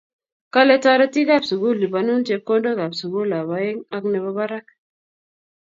Kale toritiik ab sukul lipanun chepkondok ab sukul ab aeng ang nebo barak